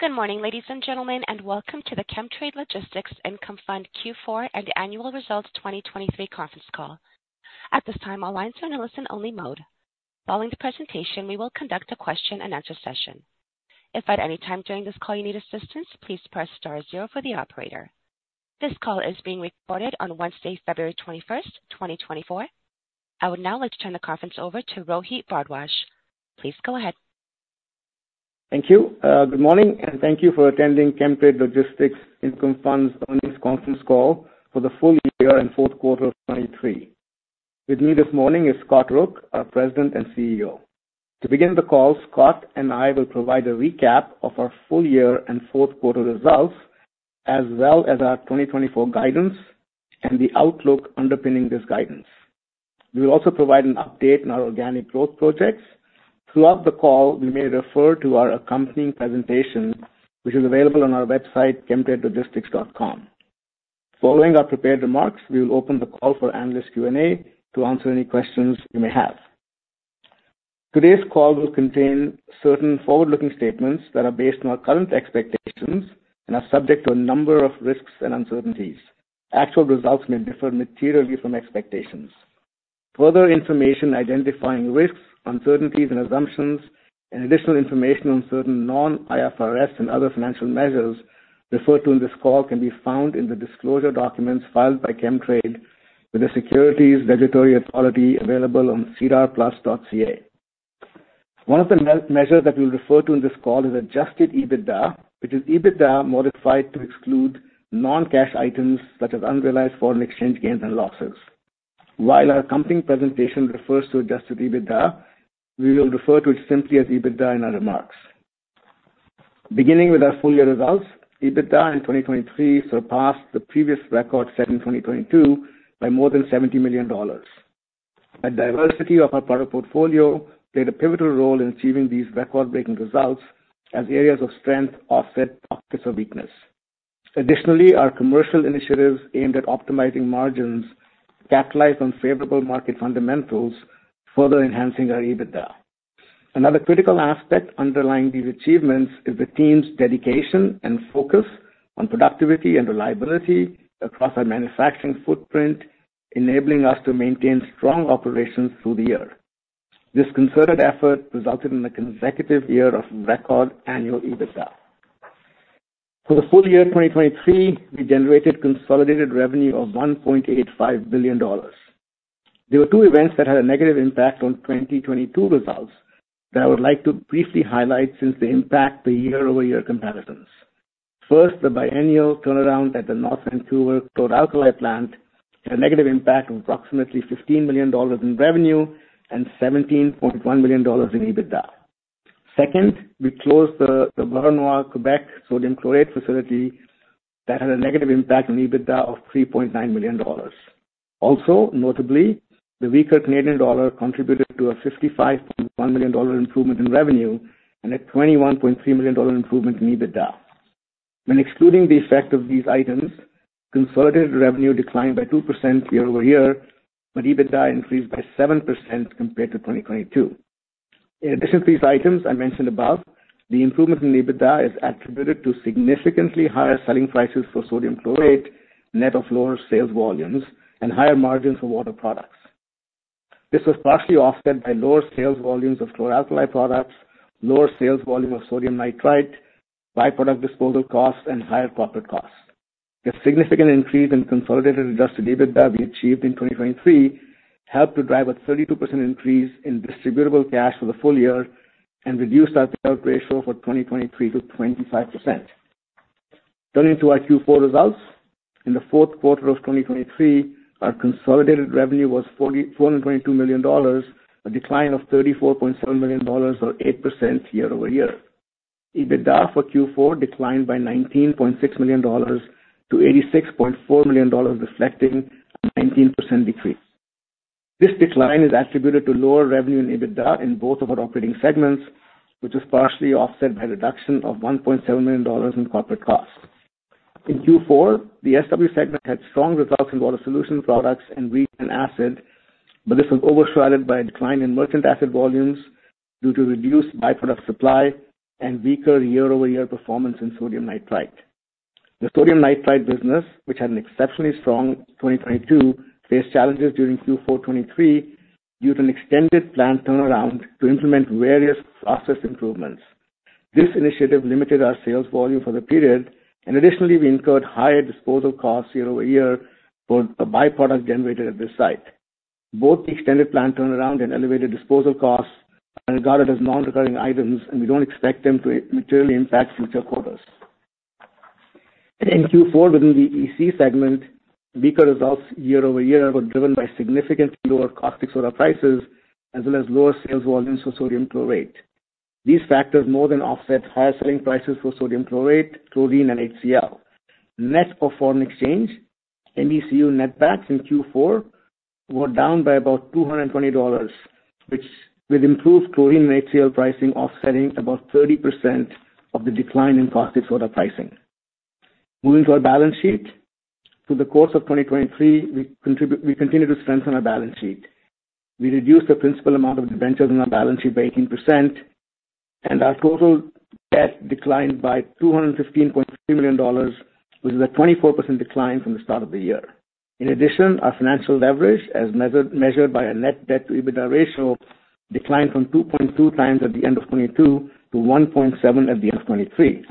Good morning, ladies and gentlemen, and welcome to the Chemtrade Logistics Income Fund Q4 and Annual Results 2023 conference call. At this time, all lines are in a listen-only mode. Following the presentation, we will conduct a question-and-answer session. If at any time during this call you need assistance, please press star zero for the operator. This call is being recorded on Wednesday, February 21st, 2024. I would now like to turn the conference over to Rohit Bhardwaj. Please go ahead. Thank you. Good morning, and thank you for attending Chemtrade Logistics Income Fund's earnings conference call for the full year and fourth quarter of 2023. With me this morning is Scott Rook, President and CEO. To begin the call, Scott and I will provide a recap of our full year and fourth quarter results, as well as our 2024 guidance and the outlook underpinning this guidance. We will also provide an update on our organic growth projects. Throughout the call, we may refer to our accompanying presentation, which is available on our website, chemtradelogistics.com. Following our prepared remarks, we will open the call for analyst Q&A to answer any questions you may have. Today's call will contain certain forward-looking statements that are based on our current expectations and are subject to a number of risks and uncertainties. Actual results may differ materially from expectations. Further information identifying risks, uncertainties, and assumptions, and additional information on certain non-IFRS and other financial measures referred to in this call can be found in the disclosure documents filed by Chemtrade with the securities regulatory authorities available on SEDARplus.ca. One of the measures that we will refer to in this call is adjusted EBITDA, which is EBITDA modified to exclude non-cash items such as unrealized foreign exchange gains and losses. While our accompanying presentation refers to adjusted EBITDA, we will refer to it simply as EBITDA in our remarks. Beginning with our full year results, EBITDA in 2023 surpassed the previous record set in 2022 by more than $70 million. A diversity of our product portfolio played a pivotal role in achieving these record-breaking results as areas of strength offset pockets of weakness. Additionally, our commercial initiatives aimed at optimizing margins capitalized on favorable market fundamentals, further enhancing our EBITDA. Another critical aspect underlying these achievements is the team's dedication and focus on productivity and reliability across our manufacturing footprint, enabling us to maintain strong operations through the year. This concerted effort resulted in a consecutive year of record annual EBITDA. For the full year 2023, we generated consolidated revenue of $1.85 billion. There were two events that had a negative impact on 2022 results that I would like to briefly highlight since they impact the year-over-year comparisons. First, the biennial turnaround at the North Vancouver chlor-alkali plant had a negative impact of approximately $15 million in revenue and $17.1 million in EBITDA. Second, we closed the Varennes, Quebec, sodium chlorate facility that had a negative impact on EBITDA of $3.9 million. Also, notably, the weaker Canadian dollar contributed to a 55.1 million dollar improvement in revenue and a 21.3 million dollar improvement in EBITDA. When excluding the effect of these items, consolidated revenue declined by 2% year-over-year, but EBITDA increased by 7% compared to 2022. In addition to these items I mentioned above, the improvement in EBITDA is attributed to significantly higher selling prices for sodium chlorate, net of lower sales volumes, and higher margins for water products. This was partially offset by lower sales volumes of chlor-alkali products, lower sales volume of sodium nitrite, byproduct disposal costs, and higher profit costs. The significant increase in consolidated adjusted EBITDA we achieved in 2023 helped to drive a 32% increase in distributable cash for the full year and reduced our payout ratio for 2023 to 25%. Returning to our Q4 results, in the fourth quarter of 2023, our consolidated revenue was 422 million dollars, a decline of 34.7 million dollars or 8% year-over-year. EBITDA for Q4 declined by 19.6 million-86.4 million dollars, reflecting a 19% decrease. This decline is attributed to lower revenue in EBITDA in both of our operating segments, which is partially offset by a reduction of 1.7 million dollars in corporate costs. In Q4, the SWC segment had strong results in water solution products and regen acid, but this was overshadowed by a decline in merchant acid volumes due to reduced byproduct supply and weaker year-over-year performance in sodium nitrite. The sodium nitrite business, which had an exceptionally strong 2022, faced challenges during Q4 2023 due to an extended plant turnaround to implement various process improvements. This initiative limited our sales volume for the period, and additionally, we incurred higher disposal costs year-over-year for the byproduct generated at this site. Both the extended plant turnaround and elevated disposal costs are regarded as non-recurring items, and we don't expect them to materially impact future quarters. In Q4, within the EC segment, weaker results year-over-year were driven by significantly lower caustic soda prices as well as lower sales volumes for sodium chlorate. These factors more than offset higher selling prices for sodium chlorate, chlorine, and HCl. Net of foreign exchange, MECU netbacks in Q4 were down by about $220, which with improved chlorine and HCl pricing offsetting about 30% of the decline in caustic soda pricing. Moving to our balance sheet. Through the course of 2023, we continue to strengthen our balance sheet. We reduced the principal amount of debentures on our balance sheet by 18%, and our total debt declined by 215.3 million dollars, which is a 24% decline from the start of the year. In addition, our financial leverage, as measured by a net debt-to-EBITDA ratio, declined from 2.2x at the end of 2022 to 1.7x at the end of 2023.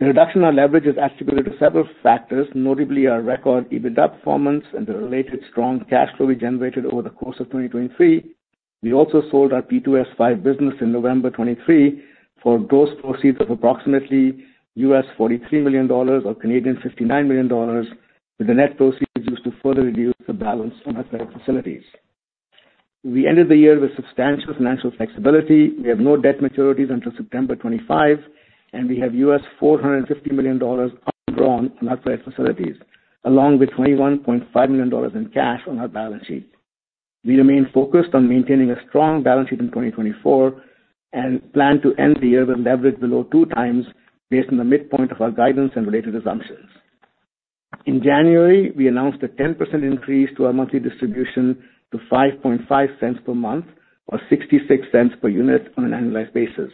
The reduction in our leverage is attributed to several factors, notably our record EBITDA performance and the related strong cash flow we generated over the course of 2023. We also sold our P2S5 business in November 2023 for gross proceeds of approximately $43 million or 59 million Canadian dollars, with the net proceeds used to further reduce the balance on our credit facilities. We ended the year with substantial financial flexibility. We have no debt maturities until September 2025, and we have $450 million undrawn on our credit facilities, along with 21.5 million dollars in cash on our balance sheet. We remain focused on maintaining a strong balance sheet in 2024 and plan to end the year with leverage below 2x based on the midpoint of our guidance and related assumptions. In January, we announced a 10% increase to our monthly distribution to 0.055 per month or 0.66 per unit on an annualized basis.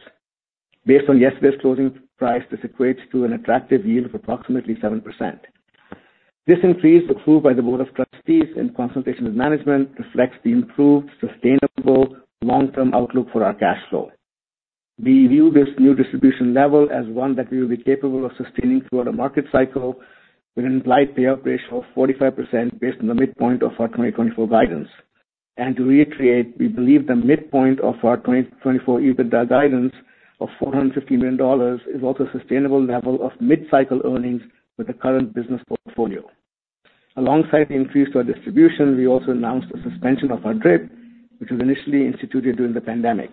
Based on yesterday's closing price, this equates to an attractive yield of approximately 7%. This increase, approved by the Board of Trustees in consultation with management, reflects the improved, sustainable, long-term outlook for our cash flow. We view this new distribution level as one that we will be capable of sustaining throughout a market cycle with an implied payout ratio of 45% based on the midpoint of our 2024 guidance. To reiterate, we believe the midpoint of our 2024 EBITDA guidance of 450 million dollars is also a sustainable level of mid-cycle earnings with the current business portfolio. Alongside the increase to our distribution, we also announced a suspension of our DRIP, which was initially instituted during the pandemic.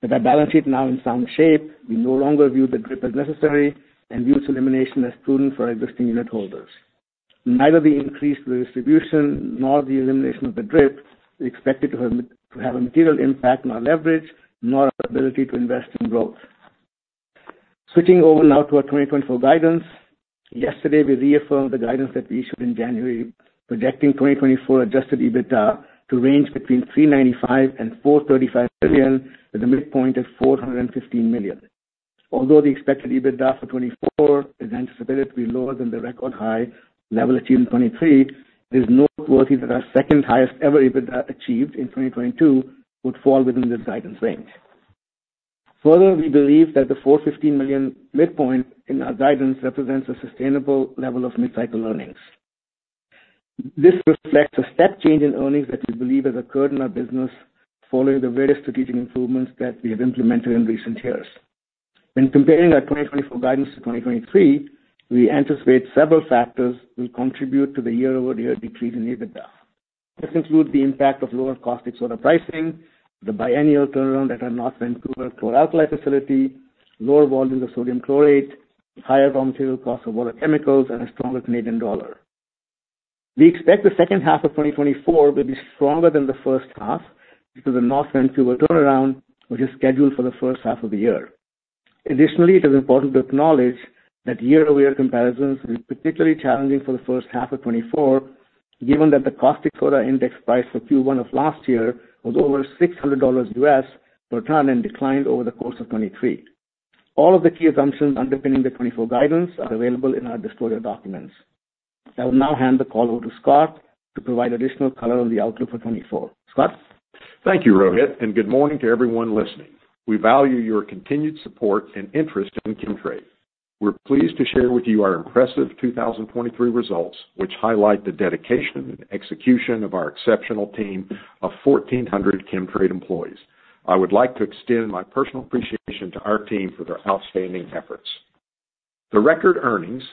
With our balance sheet now in sound shape, we no longer view the DRIP as necessary and view its elimination as prudent for our existing unitholders. Neither the increase to the distribution nor the elimination of the DRIP is expected to have a material impact on our leverage nor our ability to invest in growth. Switching over now to our 2024 guidance, yesterday we reaffirmed the guidance that we issued in January, projecting 2024 Adjusted EBITDA to range between 395 million-435 million, with a midpoint at 415 million. Although the expected EBITDA for 2024 is anticipated to be lower than the record high level achieved in 2023, it is noteworthy that our second highest-ever EBITDA achieved in 2022 would fall within this guidance range. Further, we believe that the 415 million midpoint in our guidance represents a sustainable level of mid-cycle earnings. This reflects a step change in earnings that we believe has occurred in our business following the various strategic improvements that we have implemented in recent years. When comparing our 2024 guidance to 2023, we anticipate several factors will contribute to the year-over-year decrease in EBITDA. This includes the impact of lower caustic soda pricing, the biennial turnaround at our North Vancouver chlor-alkali facility, lower volumes of sodium chlorate, higher raw material costs of water chemicals, and a stronger Canadian dollar. We expect the second half of 2024 will be stronger than the first half due to the North Vancouver turnaround, which is scheduled for the first half of the year. Additionally, it is important to acknowledge that year-over-year comparisons will be particularly challenging for the first half of 2024, given that the caustic soda index price for Q1 of last year was over $600 per ton and declined over the course of 2023. All of the key assumptions underpinning the 2024 guidance are available in our disclosure documents. I will now hand the call over to Scott to provide additional color on the outlook for 2024. Scott? Thank you, Rohit, and good morning to everyone listening. We value your continued support and interest in Chemtrade. We're pleased to share with you our impressive 2023 results, which highlight the dedication and execution of our exceptional team of 1,400 Chemtrade employees. I would like to extend my personal appreciation to our team for their outstanding efforts. The record earnings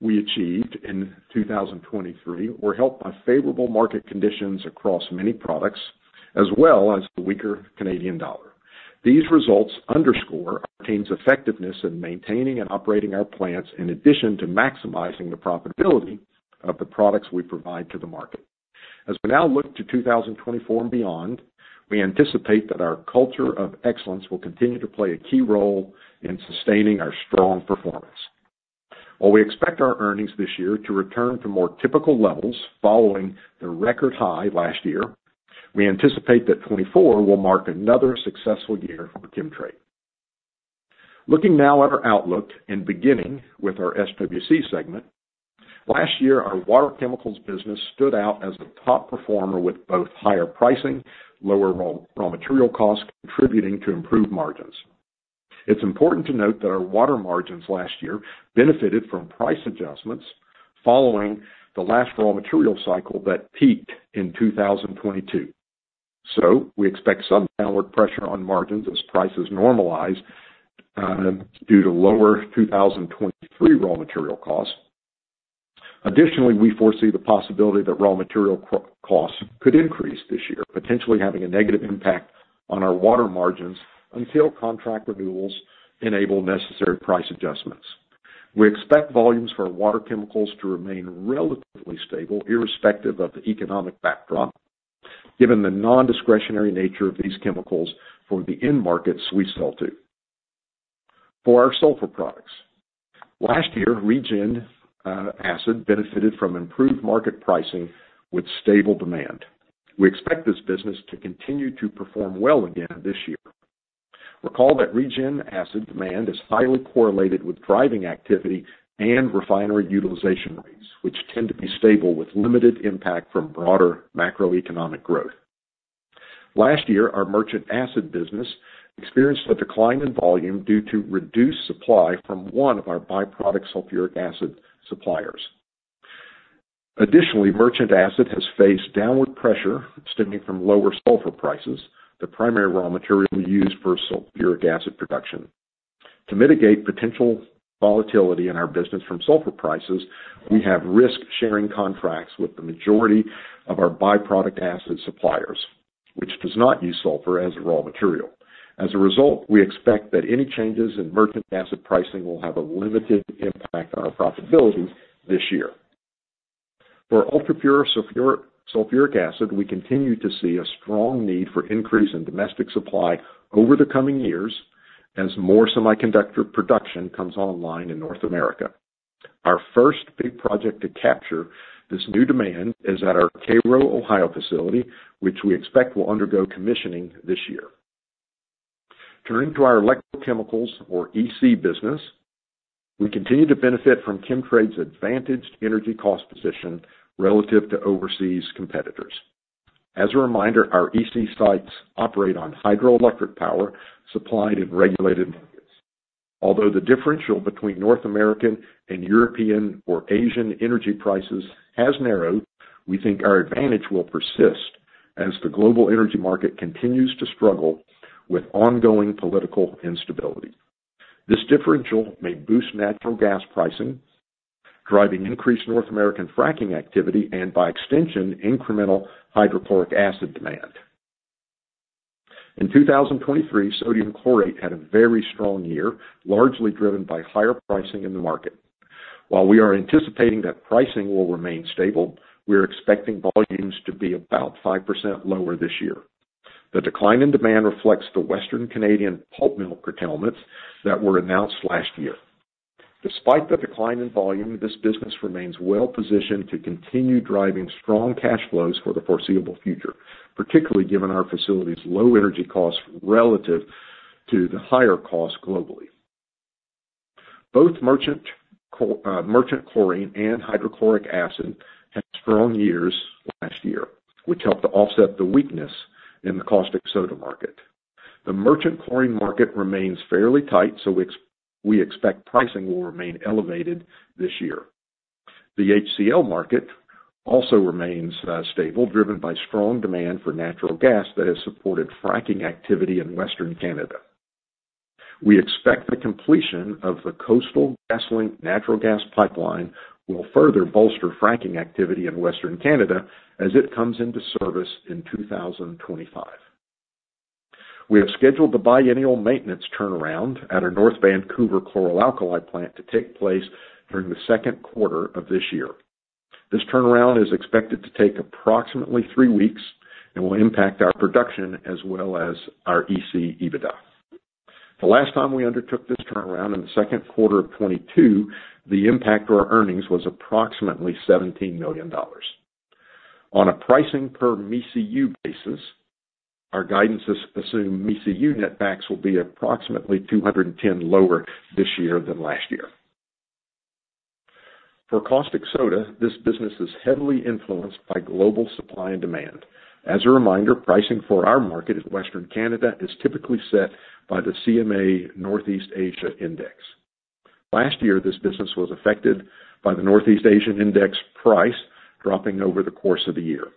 we achieved in 2023 were helped by favorable market conditions across many products, as well as the weaker Canadian dollar. These results underscore our team's effectiveness in maintaining and operating our plants in addition to maximizing the profitability of the products we provide to the market. As we now look to 2024 and beyond, we anticipate that our culture of excellence will continue to play a key role in sustaining our strong performance. While we expect our earnings this year to return to more typical levels following the record high last year, we anticipate that 2024 will mark another successful year for Chemtrade. Looking now at our outlook and beginning with our SWC segment, last year our water chemicals business stood out as a top performer with both higher pricing and lower raw material costs contributing to improved margins. It's important to note that our water margins last year benefited from price adjustments following the last raw material cycle that peaked in 2022. So we expect some downward pressure on margins as prices normalize, due to lower 2023 raw material costs. Additionally, we foresee the possibility that raw material costs could increase this year, potentially having a negative impact on our water margins until contract renewals enable necessary price adjustments. We expect volumes for water chemicals to remain relatively stable irrespective of the economic backdrop, given the nondiscretionary nature of these chemicals for the end markets we sell to. For our sulfur products, last year regen acid benefited from improved market pricing with stable demand. We expect this business to continue to perform well again this year. Recall that regen acid demand is highly correlated with driving activity and refinery utilization rates, which tend to be stable with limited impact from broader macroeconomic growth. Last year our merchant acid business experienced a decline in volume due to reduced supply from one of our byproduct sulfuric acid suppliers. Additionally, merchant acid has faced downward pressure stemming from lower sulfur prices, the primary raw material used for sulfuric acid production. To mitigate potential volatility in our business from sulfur prices, we have risk-sharing contracts with the majority of our byproduct acid suppliers, which does not use sulfur as a raw material. As a result, we expect that any changes in merchant acid pricing will have a limited impact on our profitability this year. For ultrapure sulfuric acid, we continue to see a strong need for increase in domestic supply over the coming years as more semiconductor production comes online in North America. Our first big project to capture this new demand is at our Cairo, Ohio facility, which we expect will undergo commissioning this year. Returning to our electrochemicals, or EC, business, we continue to benefit from Chemtrade's advantaged energy cost position relative to overseas competitors. As a reminder, our EC sites operate on hydroelectric power supplied in regulated markets. Although the differential between North American and European or Asian energy prices has narrowed, we think our advantage will persist as the global energy market continues to struggle with ongoing political instability. This differential may boost natural gas pricing, driving increased North American fracking activity, and by extension, incremental hydrochloric acid demand. In 2023, sodium chlorate had a very strong year, largely driven by higher pricing in the market. While we are anticipating that pricing will remain stable, we are expecting volumes to be about 5% lower this year. The decline in demand reflects the Western Canadian pulp mill curtailments that were announced last year. Despite the decline in volume, this business remains well-positioned to continue driving strong cash flows for the foreseeable future, particularly given our facility's low energy costs relative to the higher costs globally. Both merchant chlorine and hydrochloric acid had strong years last year, which helped to offset the weakness in the caustic soda market. The merchant chlorine market remains fairly tight, so we expect pricing will remain elevated this year. The HCl market also remains stable, driven by strong demand for natural gas that has supported fracking activity in Western Canada. We expect the completion of the Coastal GasLink natural gas pipeline will further bolster fracking activity in Western Canada as it comes into service in 2025. We have scheduled the biennial maintenance turnaround at our North Vancouver chlor-alkali plant to take place during the second quarter of this year. This turnaround is expected to take approximately three weeks and will impact our production as well as our EC EBITDA. The last time we undertook this turnaround in the second quarter of 2022, the impact to our earnings was approximately $17 million. On a pricing-per-MECU basis, our guidance assumes MECU netbacks will be approximately $210 lower this year than last year. For caustic soda, this business is heavily influenced by global supply and demand. As a reminder, pricing for our market in Western Canada is typically set by the CMA Northeast Asia Index. Last year this business was affected by the Northeast Asia Index price dropping over the course of the year.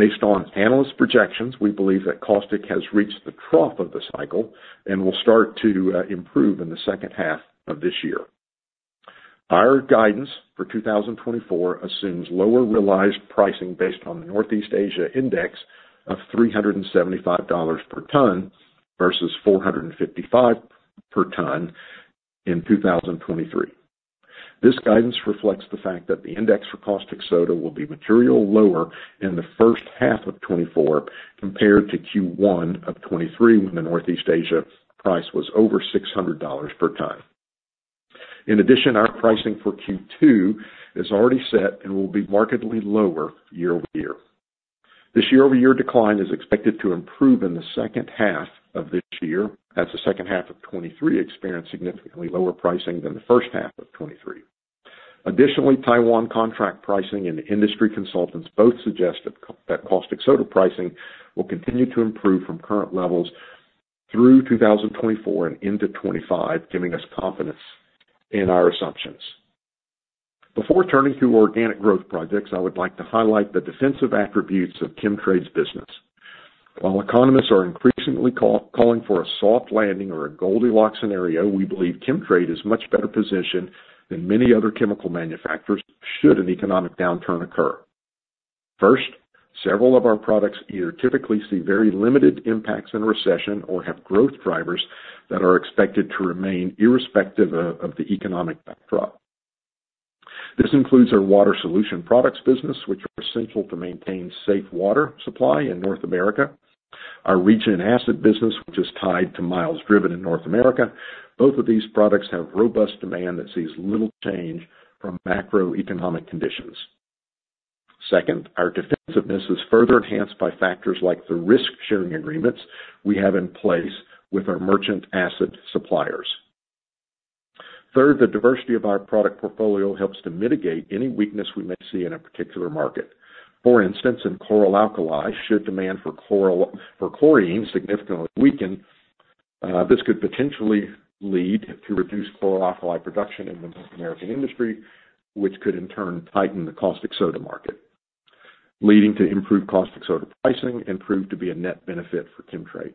Based on analyst projections, we believe that caustic has reached the trough of the cycle and will start to improve in the second half of this year. Our guidance for 2024 assumes lower realized pricing based on the Northeast Asia Index of $375 per ton versus $455 per ton in 2023. This guidance reflects the fact that the index for caustic soda will be materially lower in the first half of 2024 compared to Q1 of 2023 when the Northeast Asia price was over $600 per ton. In addition, our pricing for Q2 is already set and will be markedly lower year-over-year. This year-over-year decline is expected to improve in the second half of this year as the second half of 2023 experienced significantly lower pricing than the first half of 2023. Additionally, Taiwan contract pricing and industry consultants both suggest that caustic soda pricing will continue to improve from current levels through 2024 and into 2025, giving us confidence in our assumptions. Before turning to organic growth projects, I would like to highlight the defensive attributes of Chemtrade's business. While economists are increasingly calling for a soft landing or a Goldilocks scenario, we believe Chemtrade is much better positioned than many other chemical manufacturers should an economic downturn occur. First, several of our products either typically see very limited impacts in recession or have growth drivers that are expected to remain irrespective of the economic backdrop. This includes our water solution products business, which are essential to maintain safe water supply in North America, our regen acid business, which is tied to miles driven in North America. Both of these products have robust demand that sees little change from macroeconomic conditions. Second, our defensiveness is further enhanced by factors like the risk-sharing agreements we have in place with our merchant acid suppliers. Third, the diversity of our product portfolio helps to mitigate any weakness we may see in a particular market. For instance, in chlor-alkali, should demand for chloro for chlorine significantly weaken, this could potentially lead to reduced chlor-alkali production in the North American industry, which could in turn tighten the caustic soda market, leading to improved caustic soda pricing and prove to be a net benefit for Chemtrade.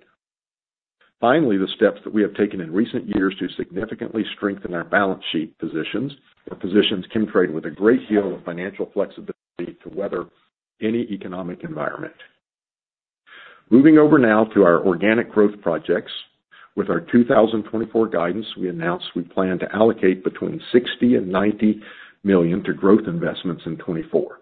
Finally, the steps that we have taken in recent years to significantly strengthen our balance sheet positions have positioned Chemtrade with a great deal of financial flexibility to weather any economic environment. Moving over now to our organic growth projects, with our 2024 guidance, we announce we plan to allocate between 60 million and 90 million to growth investments in 2024.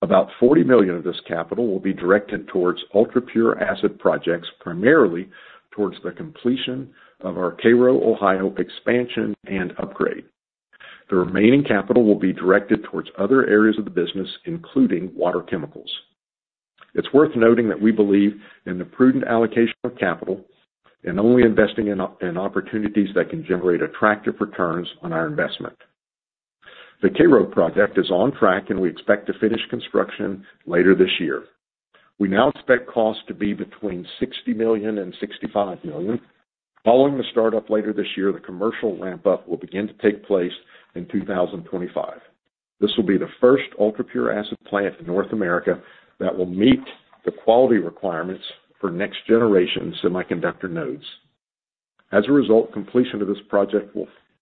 About 40 million of this capital will be directed towards ultrapure acid projects, primarily towards the completion of our Cairo, Ohio expansion and upgrade. The remaining capital will be directed towards other areas of the business, including water chemicals. It's worth noting that we believe in the prudent allocation of capital and only investing in opportunities that can generate attractive returns on our investment. The Cairo project is on track, and we expect to finish construction later this year. We now expect costs to be between 60 million and 65 million. Following the startup later this year, the commercial ramp-up will begin to take place in 2025. This will be the first ultrapure acid plant in North America that will meet the quality requirements for next-generation semiconductor nodes. As a result, completion of this project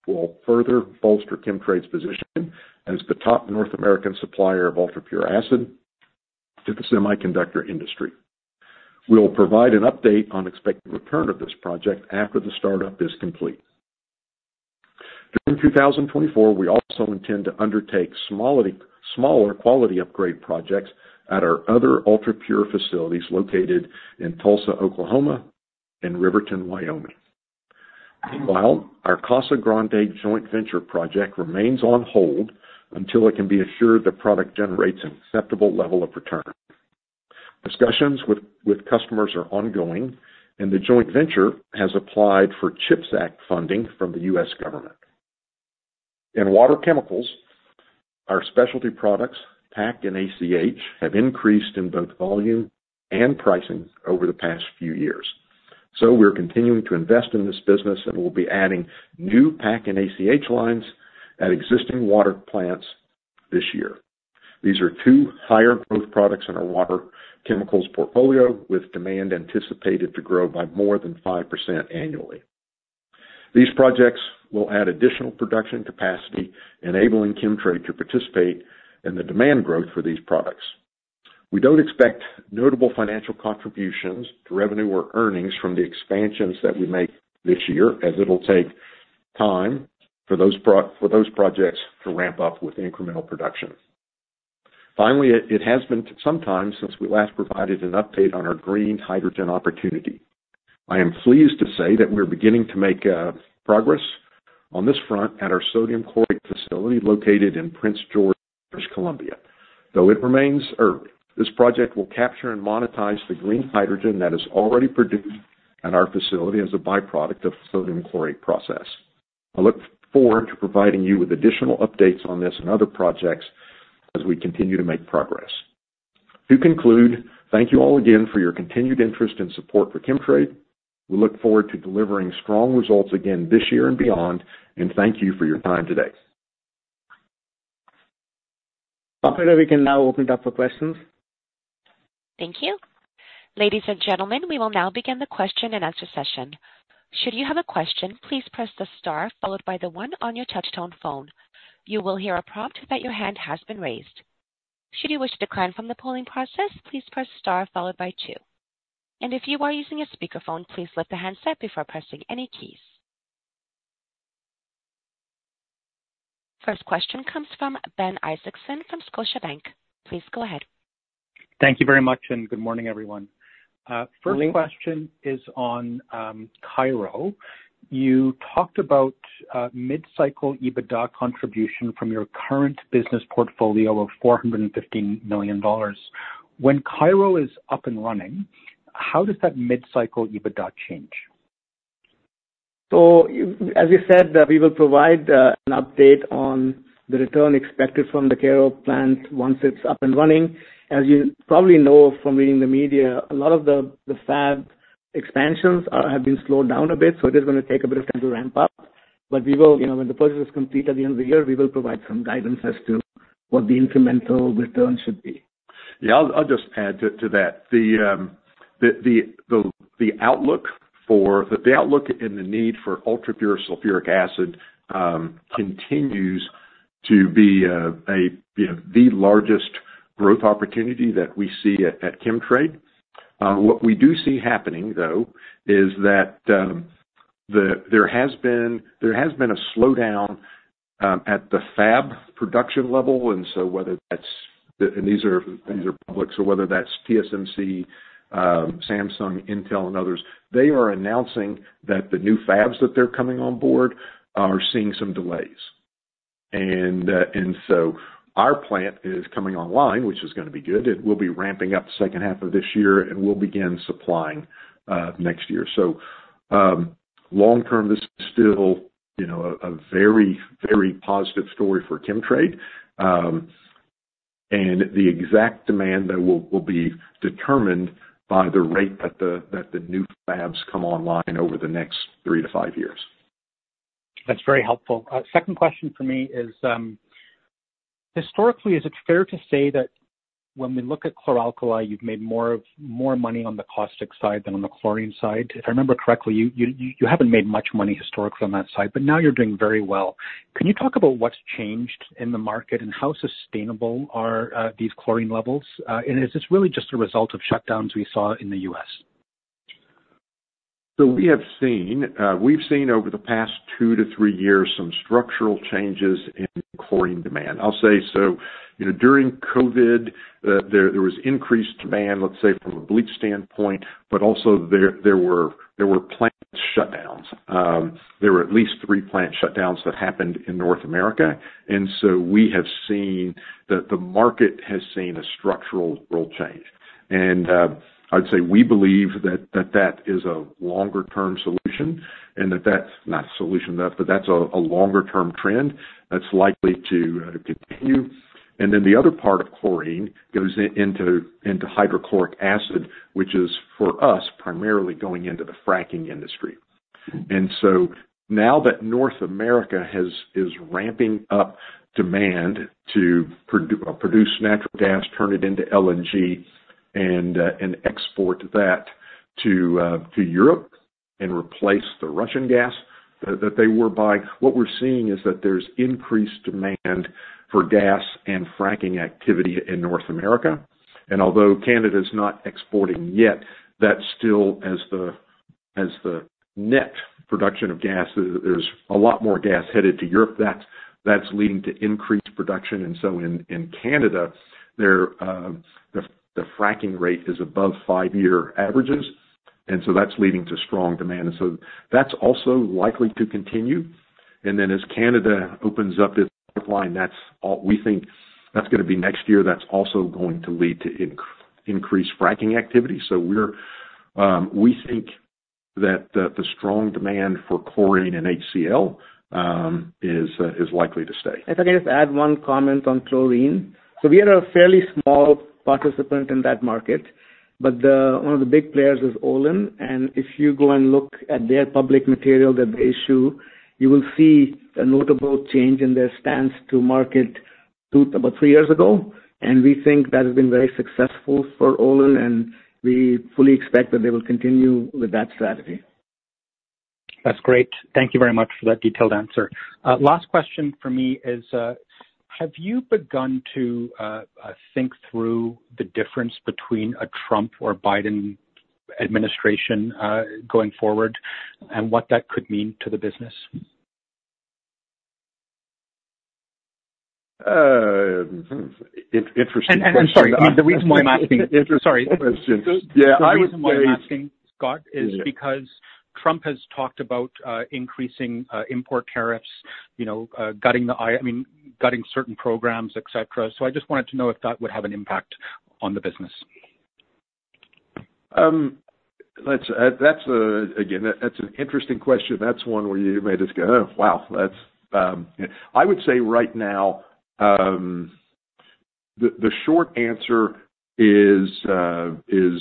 will further bolster Chemtrade's position as the top North American supplier of ultrapure acid to the semiconductor industry. We'll provide an update on expected return of this project after the startup is complete. During 2024, we also intend to undertake smaller quality upgrade projects at our other ultrapure facilities located in Tulsa, Oklahoma, and Riverton, Wyoming. Meanwhile, our Casa Grande joint venture project remains on hold until it can be assured the product generates an acceptable level of return. Discussions with customers are ongoing, and the joint venture has applied for CHIPS Act funding from the U.S. government. In water chemicals, our specialty products, PAC and ACH, have increased in both volume and pricing over the past few years. So we're continuing to invest in this business, and we'll be adding new PAC and ACH lines at existing water plants this year. These are two higher growth products in our water chemicals portfolio, with demand anticipated to grow by more than 5% annually. These projects will add additional production capacity, enabling Chemtrade to participate in the demand growth for these products. We don't expect notable financial contributions to revenue or earnings from the expansions that we make this year, as it'll take time for those projects to ramp up with incremental production. Finally, it has been some time since we last provided an update on our green hydrogen opportunity. I am pleased to say that we're beginning to make progress on this front at our sodium chlorate facility located in Prince George, British Columbia. Though it remains early for this project will capture and monetize the green hydrogen that is already produced at our facility as a byproduct of the sodium chlorate process. I look forward to providing you with additional updates on this and other projects as we continue to make progress. To conclude, thank you all again for your continued interest and support for Chemtrade. We look forward to delivering strong results again this year and beyond, and thank you for your time today. I'm hoping that we can now open it up for questions. Thank you. Ladies and gentlemen, we will now begin the question-and-answer session. Should you have a question, please press the star followed by the one on your touchscreen phone. You will hear a prompt that your hand has been raised. Should you wish to decline from the polling process, please press star followed by two. And if you are using a speakerphone, please lift the handset before pressing any keys. First question comes from Ben Isaacson from Scotiabank. Please go ahead. Thank you very much, and good morning, everyone. First question is on Cairo. You talked about mid-cycle EBITDA contribution from your current business portfolio of $415 million. When Cairo is up and running, how does that mid-cycle EBITDA change? As you said, we will provide an update on the return expected from the Cairo plant once it's up and running. As you probably know from reading the media, a lot of the fab expansions have been slowed down a bit, so it is going to take a bit of time to ramp up. But when the purchase is complete at the end of the year, we will provide some guidance as to what the incremental return should be. Yeah, I'll just add to that. The outlook for the outlook and the need for ultrapure sulfuric acid continues to be the largest growth opportunity that we see at Chemtrade. What we do see happening, though, is that there has been a slowdown at the fab production level. And so whether that's and these are public, so whether that's TSMC, Samsung, Intel, and others, they are announcing that the new fabs that they're coming on board are seeing some delays. And so our plant is coming online, which is going to be good. It will be ramping up the second half of this year, and we'll begin supplying next year. So long term, this is still a very, very positive story for Chemtrade. And the exact demand, though, will be determined by the rate that the new fabs come online over the next 3-5 years. That's very helpful. Second question for me is, historically, is it fair to say that when we look at chlor-alkali, you've made more money on the caustic side than on the chlorine side? If I remember correctly, you haven't made much money historically on that side, but now you're doing very well. Can you talk about what's changed in the market and how sustainable are these chlorine levels? And is this really just a result of shutdowns we saw in the U.S.? So we have seen over the past 2-3 years some structural changes in chlorine demand. I'll say so. During COVID, there was increased demand, let's say, from a bleach standpoint, but also there were plant shutdowns. There were at least three plant shutdowns that happened in North America. And so we have seen that the market has seen a structural change. And I'd say we believe that that is a longer-term solution and that that's not a solution, but that's a longer-term trend that's likely to continue. And then the other part of chlorine goes into hydrochloric acid, which is for us primarily going into the fracking industry. So now that North America is ramping up demand to produce natural gas, turn it into LNG, and export that to Europe and replace the Russian gas that they were buying, what we're seeing is that there's increased demand for gas and fracking activity in North America. And although Canada is not exporting yet, that's still as the net production of gas, there's a lot more gas headed to Europe. That's leading to increased production. And so in Canada, the fracking rate is above five-year averages, and so that's leading to strong demand. And so that's also likely to continue. And then as Canada opens up its pipeline, we think that's going to be next year. That's also going to lead to increased fracking activity. So we think that the strong demand for chlorine and HCl is likely to stay. If I can just add one comment on chlorine. So we are a fairly small participant in that market, but one of the big players is Olin. And if you go and look at their public material that they issue, you will see a notable change in their stance to market about three years ago. And we think that has been very successful for Olin, and we fully expect that they will continue with that strategy. That's great. Thank you very much for that detailed answer. Last question for me is, have you begun to think through the difference between a Trump or Biden administration going forward and what that could mean to the business? Scott, is because Trump has talked about increasing import tariffs, gutting the I mean, gutting certain programs, etc. So I just wanted to know if that would have an impact on the business. Again, that's an interesting question. That's one where you may just go, "Oh, wow." I would say right now, the short answer is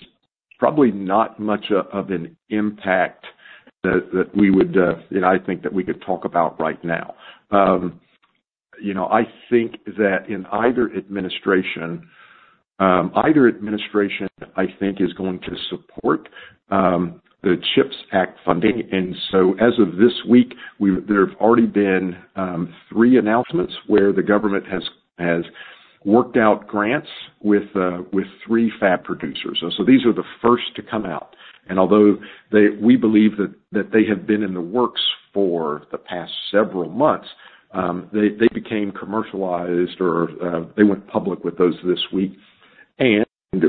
probably not much of an impact that I think that we could talk about right now. I think that in either administration, I think, is going to support the CHIPS Act funding. And so as of this week, there have already been three announcements where the government has worked out grants with three fab producers. So these are the first to come out. And although we believe that they have been in the works for the past several months, they became commercialized or they went public with those this week. And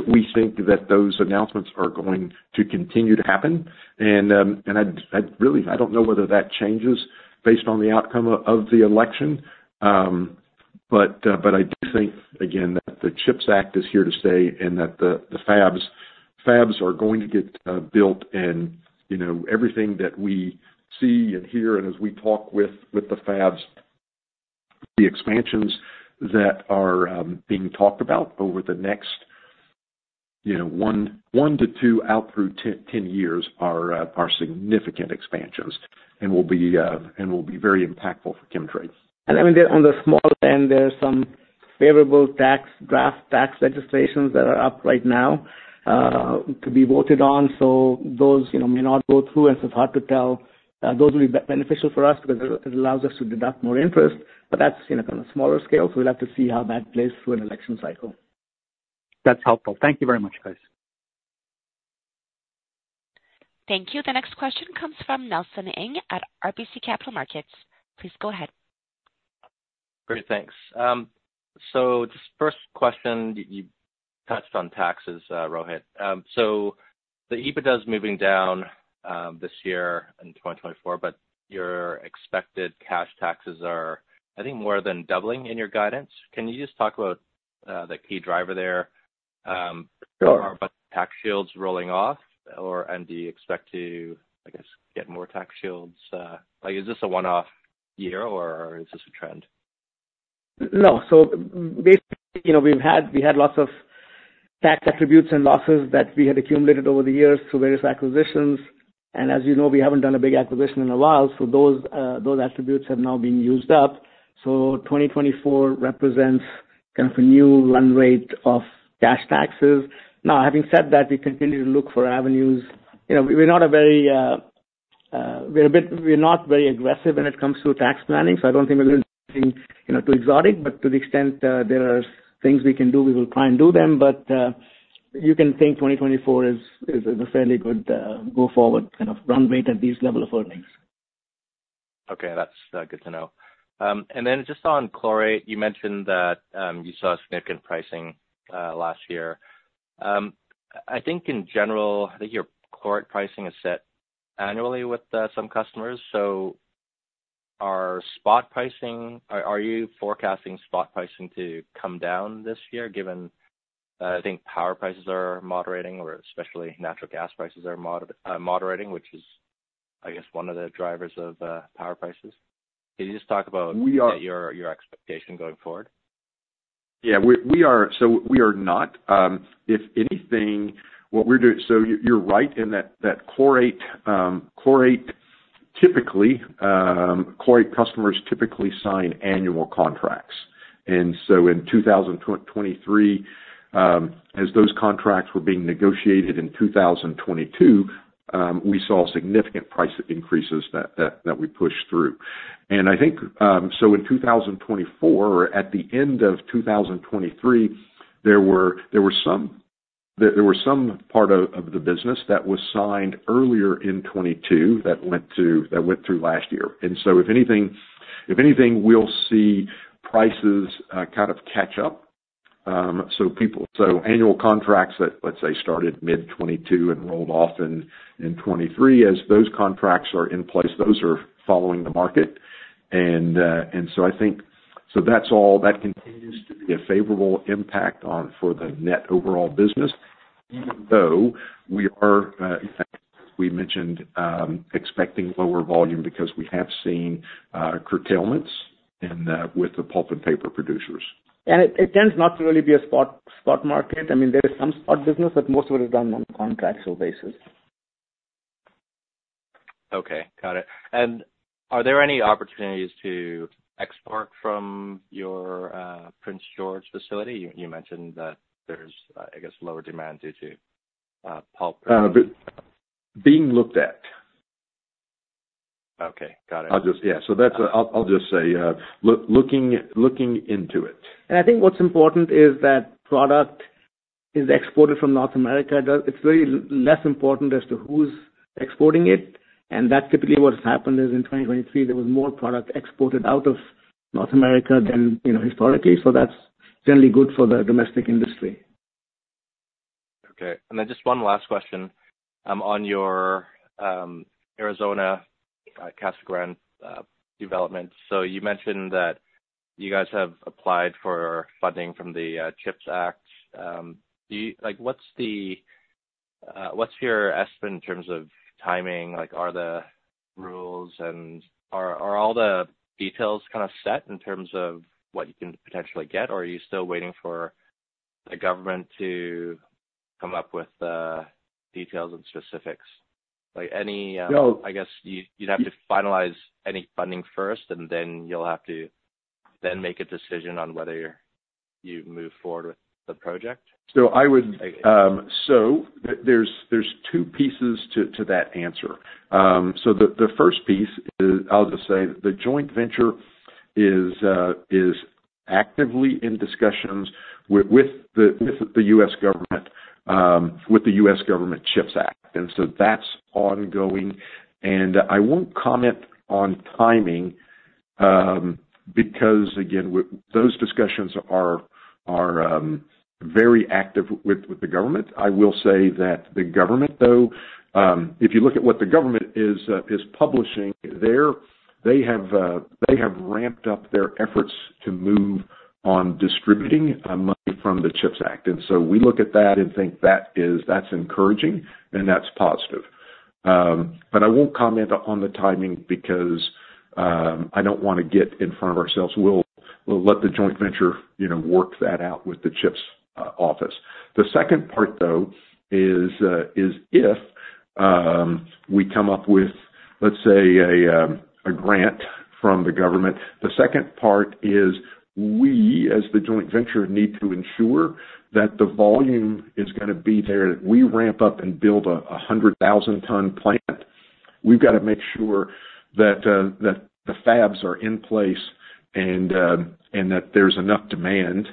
we think that those announcements are going to continue to happen. And I don't know whether that changes based on the outcome of the election. I do think, again, that the CHIPS Act is here to stay and that the fabs are going to get built. Everything that we see and hear and as we talk with the fabs, the expansions that are being talked about over the next 1-2 out through 10 years are significant expansions and will be very impactful for Chemtrade. I mean, on the small end, there are some favorable draft tax legislations that are up right now to be voted on. Those may not go through, and so it's hard to tell. Those will be beneficial for us because it allows us to deduct more interest. But that's on a smaller scale. We'll have to see how that plays through an election cycle. That's helpful. Thank you very much, guys. Thank you. The next question comes from Nelson Ng at RBC Capital Markets. Please go ahead. Great. Thanks. So this first question, you touched on taxes, Rohit. So the EBITDA is moving down this year in 2024, but your expected cash taxes are, I think, more than doubling in your guidance. Can you just talk about the key driver there? Are tax shields rolling off, or do you expect to, I guess, get more tax shields? Is this a one-off year, or is this a trend? No. So basically, we had lots of tax attributes and losses that we had accumulated over the years through various acquisitions. As you know, we haven't done a big acquisition in a while, so those attributes have now been used up. So 2024 represents kind of a new run rate of cash taxes. Now, having said that, we continue to look for avenues. We're not very aggressive when it comes to tax planning, so I don't think we're going to do anything too exotic. But to the extent there are things we can do, we will try and do them. But you can think 2024 is a fairly good go forward kind of run rate at this level of earnings. Okay. That's good to know. And then just on chlorate, you mentioned that you saw significant pricing last year. I think in general, I think your chlorate pricing is set annually with some customers. So are you forecasting spot pricing to come down this year, given, I think, power prices are moderating or especially natural gas prices are moderating, which is, I guess, one of the drivers of power prices? Can you just talk about your expectation going forward? Yeah. So we are not. If anything, what we're doing so you're right in that chlorate typically, chlorate customers typically sign annual contracts. And so in 2023, as those contracts were being negotiated in 2022, we saw significant price increases that we pushed through. And so in 2024, or at the end of 2023, there were some part of the business that was signed earlier in 2022 that went through last year. And so if anything, we'll see prices kind of catch up. So annual contracts that, let's say, started mid-2022 and rolled off in 2023, as those contracts are in place, those are following the market. And so I think so that continues to be a favorable impact for the net overall business, even though we are, as we mentioned, expecting lower volume because we have seen curtailments with the pulp and paper producers. It tends not to really be a spot market. I mean, there is some spot business, but most of it is done on a contractual basis. Okay. Got it. And are there any opportunities to export from your Prince George facility? You mentioned that there's, I guess, lower demand due to pulp. Being looked at. Okay. Got it. Yeah. So I'll just say looking into it. I think what's important is that product is exported from North America. It's very less important as to who's exporting it. That's typically what has happened is in 2023, there was more product exported out of North America than historically. That's generally good for the domestic industry. Okay. And then just one last question on your Arizona Casa Grande development. So you mentioned that you guys have applied for funding from the CHIPS Act. What's your estimate in terms of timing? Are the rules and are all the details kind of set in terms of what you can potentially get, or are you still waiting for the government to come up with the details and specifics? I guess you'd have to finalize any funding first, and then you'll have to then make a decision on whether you move forward with the project. So there's two pieces to that answer. So the first piece is I'll just say the joint venture is actively in discussions with the U.S. government with the U.S. Government CHIPS Act. And so that's ongoing. And I won't comment on timing because, again, those discussions are very active with the government. I will say that the government, though, if you look at what the government is publishing, they have ramped up their efforts to move on distributing money from the CHIPS Act. And so we look at that and think that's encouraging, and that's positive. But I won't comment on the timing because I don't want to get in front of ourselves. We'll let the joint venture work that out with the CHIPS office. The second part, though, is if we come up with, let's say, a grant from the government. The second part is we, as the joint venture, need to ensure that the volume is going to be there. If we ramp up and build a 100,000-ton plant, we've got to make sure that the fabs are in place and that there's enough demand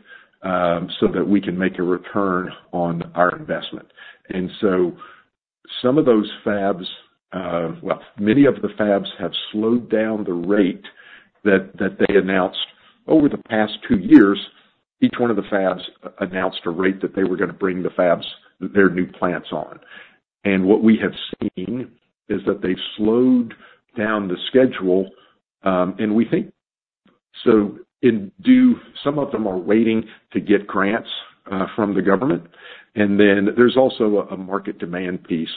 so that we can make a return on our investment. And so some of those fabs well, many of the fabs have slowed down the rate that they announced. Over the past two years, each one of the fabs announced a rate that they were going to bring their new plants on. And what we have seen is that they've slowed down the schedule. And we think so. Indeed, some of them are waiting to get grants from the government. And then there's also a market demand piece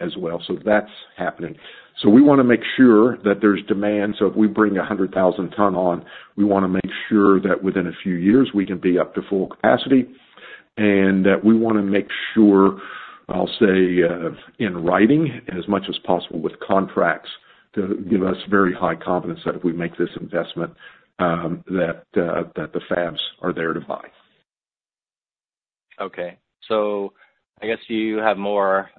as well. So that's happening. So we want to make sure that there's demand. If we bring 100,000 tons on, we want to make sure that within a few years, we can be up to full capacity. We want to make sure, I'll say, in writing as much as possible with contracts to give us very high confidence that if we make this investment, that the fabs are there to buy. Okay. I guess you have more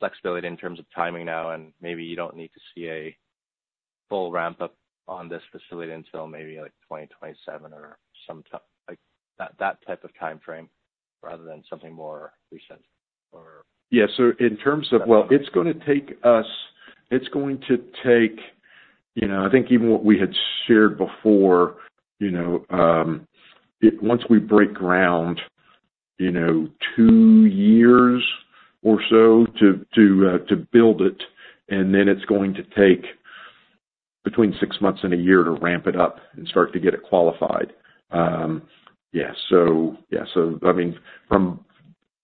flexibility in terms of timing now, and maybe you don't need to see a full ramp-up on this facility until maybe 2027 or that type of timeframe rather than something more recent, or? Yeah. So in terms of well, it's going to take us, I think even what we had shared before, once we break ground, two years or so to build it. And then it's going to take between six months and one year to ramp it up and start to get it qualified. Yeah. So yeah. So I mean, from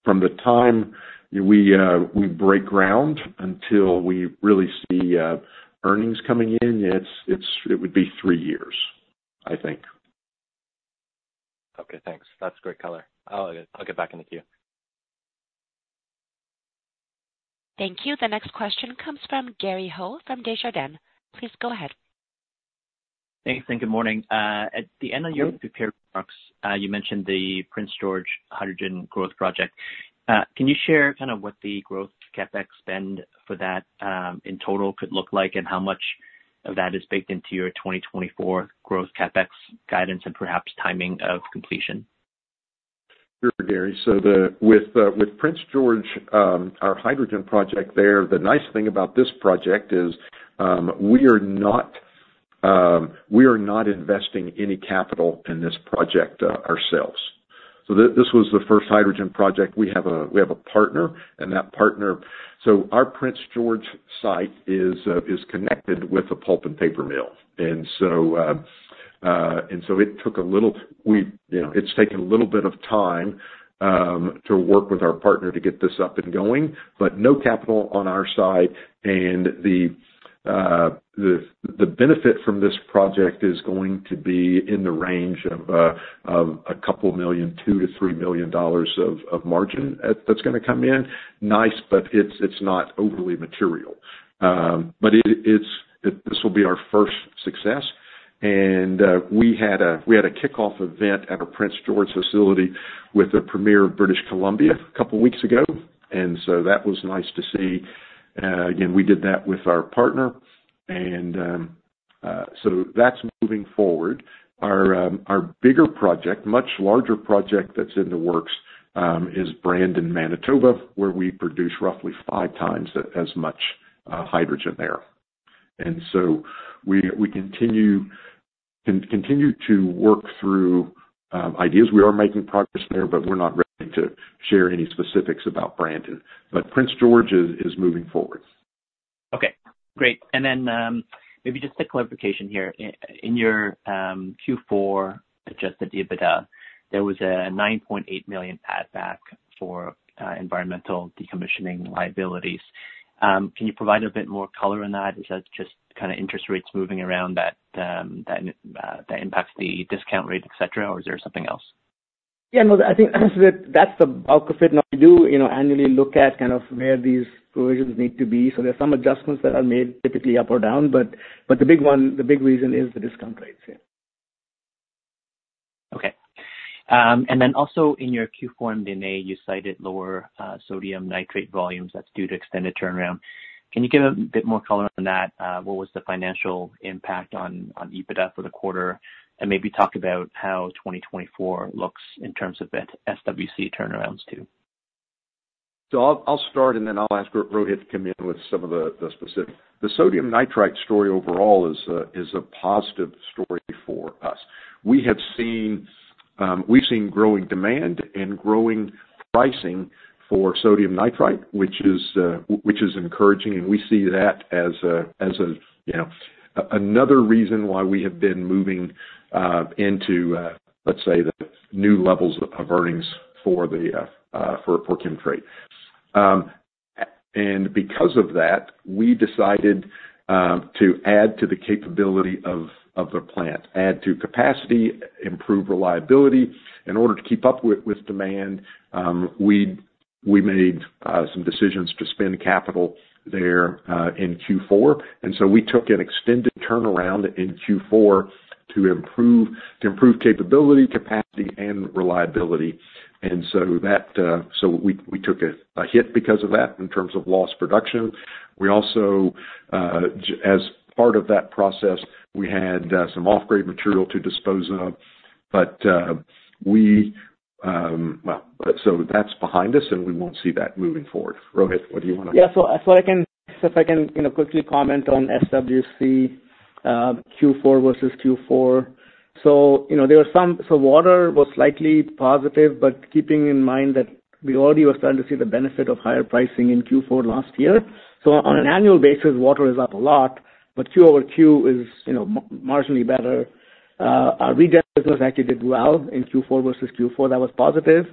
the time we break ground until we really see earnings coming in, it would be three years, I think. Okay. Thanks. That's a great color. I'll get back in the queue. Thank you. The next question comes from Gary Ho from Desjardins. Please go ahead. Thanks. Good morning. At the end of your prepared remarks, you mentioned the Prince George Hydrogen Growth Project. Can you share kind of what the growth CapEx spend for that in total could look like and how much of that is baked into your 2024 growth CapEx guidance and perhaps timing of completion? Sure, Gary. So with Prince George, our hydrogen project there, the nice thing about this project is we are not investing any capital in this project ourselves. So this was the first hydrogen project. We have a partner, and that partner, so our Prince George site is connected with a pulp and paper mill. And so it's taken a little bit of time to work with our partner to get this up and going, but no capital on our side. And the benefit from this project is going to be in the range of a couple million, $2 million-$3 million of margin that's going to come in. Nice, but it's not overly material. But this will be our first success. And we had a kickoff event at our Prince George facility with the Premier of British Columbia a couple of weeks ago. And so that was nice to see. Again, we did that with our partner. And so that's moving forward. Our bigger project, much larger project that's in the works, is Brandon, Manitoba, where we produce roughly 5x as much hydrogen there. And so we continue to work through ideas. We are making progress there, but we're not ready to share any specifics about Brandon. But Prince George is moving forward. Okay. Great. And then maybe just a clarification here. In your Q4 Adjusted EBITDA, there was a 9.8 million addback for environmental decommissioning liabilities. Can you provide a bit more color on that? Is that just kind of interest rates moving around that impacts the discount rate, etc., or is there something else? Yeah. No, I think that's the bulk of it. Now, we do annually look at kind of where these provisions need to be. So there's some adjustments that are made, typically up or down. But the big reason is the discount rates. Yeah. Okay. And then also in your Q4 MD&A, you cited lower sodium nitrite volumes. That's due to extended turnaround. Can you give a bit more color on that? What was the financial impact on EBITDA for the quarter? And maybe talk about how 2024 looks in terms of SWC turnarounds too. I'll start, and then I'll ask Rohit to come in with some of the specifics. The sodium nitrite story overall is a positive story for us. We've seen growing demand and growing pricing for sodium nitrite, which is encouraging. We see that as another reason why we have been moving into, let's say, the new levels of earnings for Chemtrade. Because of that, we decided to add to the capability of the plant, add to capacity, improve reliability. In order to keep up with demand, we made some decisions to spend capital there in Q4. We took an extended turnaround in Q4 to improve capability, capacity, and reliability. We took a hit because of that in terms of lost production. Also, as part of that process, we had some off-grade material to dispose of. Well, so that's behind us, and we won't see that moving forward. Rohit, what do you want to? Yeah. So if I can quickly comment on SWC Q4 versus Q4. So there were some so water was slightly positive, but keeping in mind that we already were starting to see the benefit of higher pricing in Q4 last year. So on an annual basis, water is up a lot, but Q over Q is marginally better. Our regen business actually did well in Q4 versus Q4. That was positive.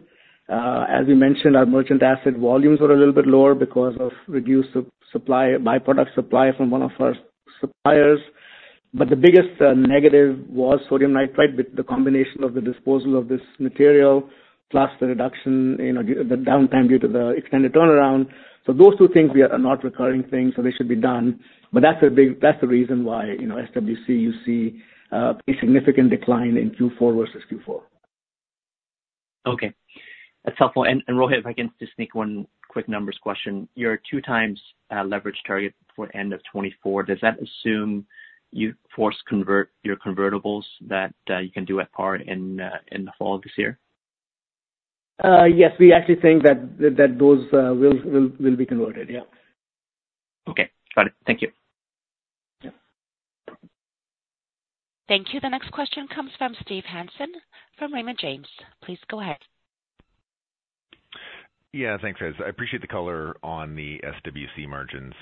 As we mentioned, our merchant asset volumes were a little bit lower because of reduced byproduct supply from one of our suppliers. But the biggest negative was sodium nitrite, the combination of the disposal of this material plus the reduction, the downtime due to the extended turnaround. So those two things, they are not recurring things, so they should be done. But that's the reason why SWC, you see a significant decline in Q4 versus Q4. Okay. That's helpful. And Rohit, if I can just sneak one quick numbers question. You're a 2x leverage target for end of 2024. Does that assume you force your convertibles that you can do at par in the fall of this year? Yes. We actually think that those will be converted. Yeah. Okay. Got it. Thank you. Thank you. The next question comes from Steve Hansen from Raymond James. Please go ahead. Yeah. Thanks. I appreciate the color on the SWC margins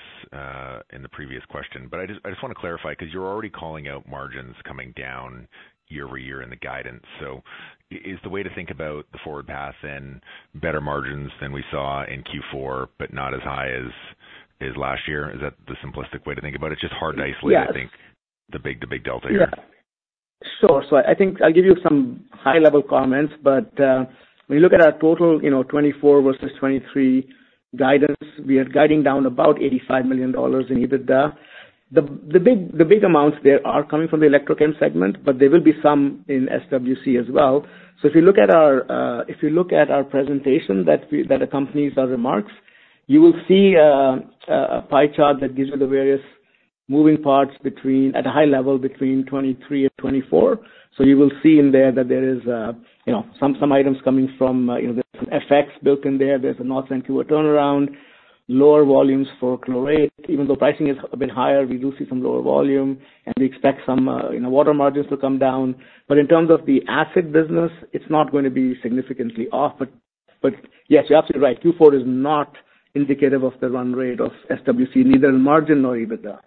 in the previous question. But I just want to clarify because you're already calling out margins coming down year-over-year in the guidance. So is the way to think about the forward path then better margins than we saw in Q4, but not as high as last year? Is that the simplistic way to think about it? It's just hard to isolate, I think, the big delta here. Yeah. Sure. So I think I'll give you some high-level comments. But when you look at our total 2024 versus 2023 guidance, we are guiding down about 85 million dollars in EBITDA. The big amounts there are coming from the electrochemical segment, but there will be some in SWC as well. So if you look at our presentation that accompanies our remarks, you will see a pie chart that gives you the various moving parts at a high level between 2023 and 2024. So you will see in there that there are some items coming from FX built in there. There's a North Vancouver turnaround, lower volumes for chlorate. Even though pricing is a bit higher, we do see some lower volume, and we expect some water margins to come down. In terms of the asset business, it's not going to be significantly off. Yes, you're absolutely right. Q4 is not indicative of the run rate of SWC, neither in margin nor EBITDA.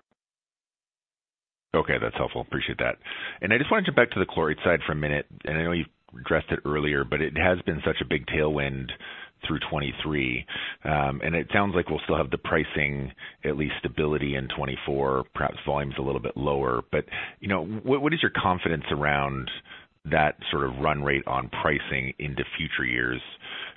Okay. That's helpful. Appreciate that. And I just want to jump back to the chlorate side for a minute. And I know you've addressed it earlier, but it has been such a big tailwind through 2023. And it sounds like we'll still have the pricing, at least stability in 2024, perhaps volumes a little bit lower. But what is your confidence around that sort of run rate on pricing into future years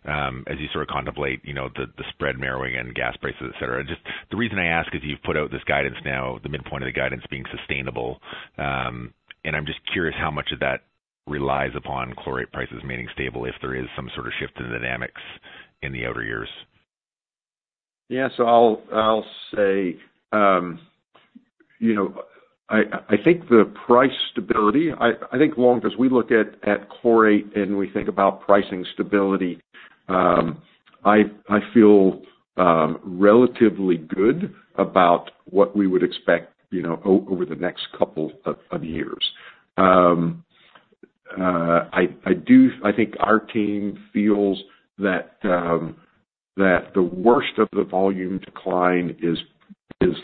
as you sort of contemplate the spread narrowing and gas prices, etc.? The reason I ask is you've put out this guidance now, the midpoint of the guidance being sustainable. And I'm just curious how much of that relies upon chlorate prices remaining stable if there is some sort of shift in the dynamics in the outer years. Yeah. So I'll say I think the price stability. I think as we look at chlorate and we think about pricing stability, I feel relatively good about what we would expect over the next couple of years. I think our team feels that the worst of the volume decline is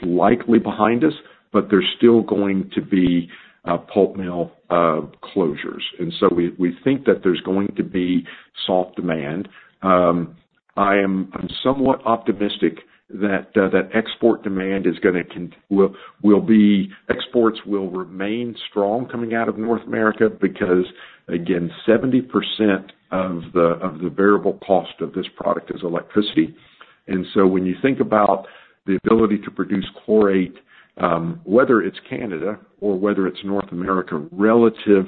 likely behind us, but there's still going to be pulp mill closures. And so we think that there's going to be soft demand. I'm somewhat optimistic that export demand is going to, exports will remain strong coming out of North America because, again, 70% of the variable cost of this product is electricity. And so when you think about the ability to produce chlorate, whether it's Canada or whether it's North America relative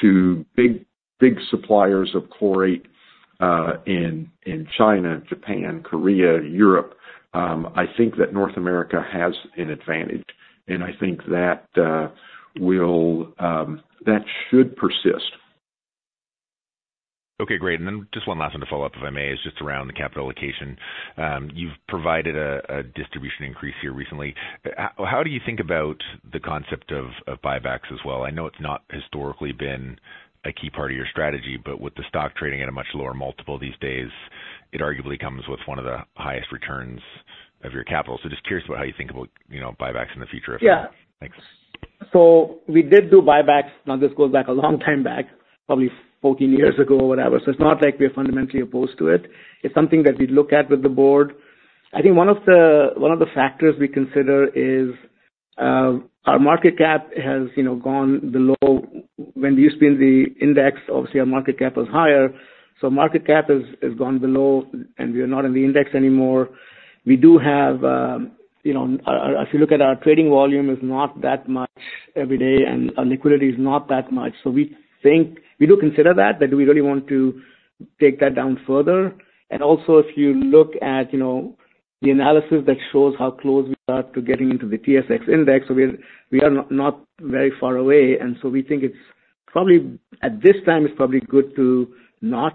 to big suppliers of chlorate in China, Japan, Korea, Europe, I think that North America has an advantage. And I think that should persist. Okay. Great. And then just one last thing to follow up, if I may, is just around the capital allocation. You've provided a distribution increase here recently. How do you think about the concept of buybacks as well? I know it's not historically been a key part of your strategy, but with the stock trading at a much lower multiple these days, it arguably comes with one of the highest returns of your capital. So just curious about how you think about buybacks in the future, if at all. Yeah. So we did do buybacks. Now, this goes back a long time back, probably 14 years ago or whatever. So it's not like we're fundamentally opposed to it. It's something that we look at with the board. I think one of the factors we consider is our market cap has gone below when we used to be in the index, obviously, our market cap was higher. So market cap has gone below, and we are not in the index anymore. We do have, if you look at our trading volume, it's not that much every day, and our liquidity is not that much. So we do consider that, that we really want to take that down further. And also, if you look at the analysis that shows how close we are to getting into the TSX index, so we are not very far away. We think it's probably at this time, it's probably good to not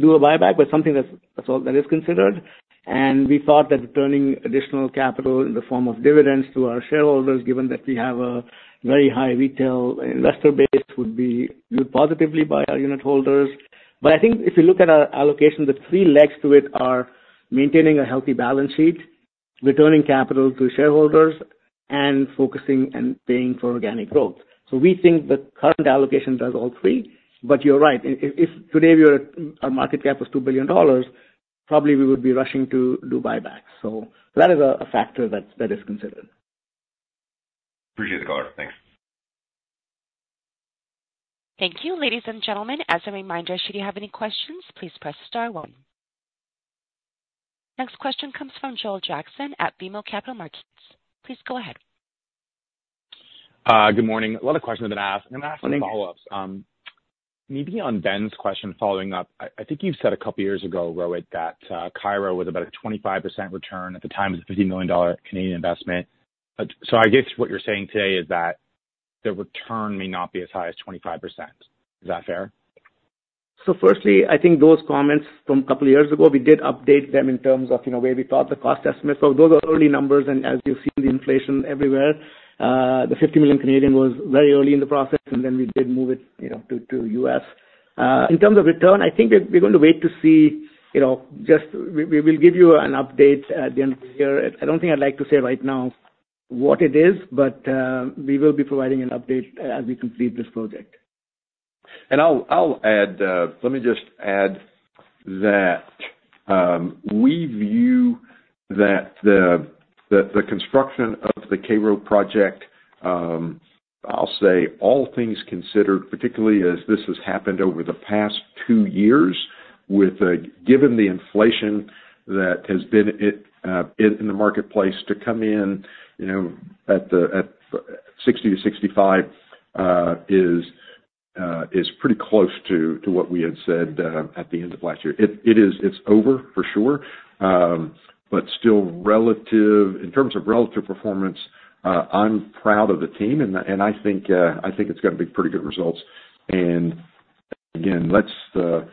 do a buyback, but something that is considered. We thought that turning additional capital in the form of dividends to our shareholders, given that we have a very high retail investor base, would be viewed positively by our unitholders. But I think if you look at our allocation, the three legs to it are maintaining a healthy balance sheet, returning capital to shareholders, and focusing and paying for organic growth. So we think the current allocation does all three. But you're right. If today our market cap was $2 billion, probably we would be rushing to do buybacks. So that is a factor that is considered. Appreciate the color. Thanks. Thank you, ladies and gentlemen. As a reminder, should you have any questions, please press star one. Next question comes from Joel Jackson at BMO Capital Markets. Please go ahead. Good morning. A lot of questions have been asked. I'm going to ask some follow-ups. Maybe on Ben's question following up, I think you've said a couple of years ago, Rohit, that Cairo was about a 25% return at the time of the 50 million Canadian dollars investment. I guess what you're saying today is that the return may not be as high as 25%. Is that fair? So firstly, I think those comments from a couple of years ago, we did update them in terms of where we thought the cost estimate. So those are early numbers. And as you've seen the inflation everywhere, the 50 million was very early in the process, and then we did move it to the U.S. In terms of return, I think we're going to wait to see just we will give you an update at the end of the year. I don't think I'd like to say right now what it is, but we will be providing an update as we complete this project. Let me just add that we view that the construction of the Cairo project, I'll say all things considered, particularly as this has happened over the past two years, given the inflation that has been in the marketplace, to come in at $60-$65 is pretty close to what we had said at the end of last year. It's over, for sure, but still relative in terms of relative performance, I'm proud of the team, and I think it's going to be pretty good results. And again, the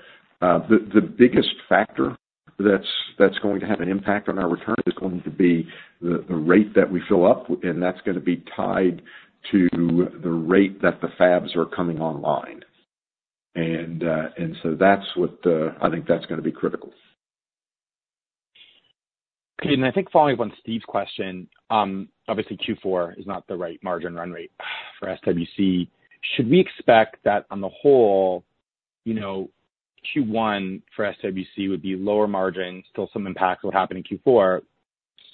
biggest factor that's going to have an impact on our return is going to be the rate that we fill up, and that's going to be tied to the rate that the fabs are coming online. And so I think that's going to be critical. Okay. And I think following up on Steve's question, obviously, Q4 is not the right margin run rate for SWC. Should we expect that on the whole, Q1 for SWC would be lower margin, still some impact will happen in Q4,